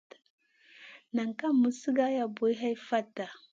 Naʼ ka muz sigara buʼu hai fata.